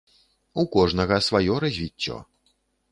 У кожнага сваё развіццё.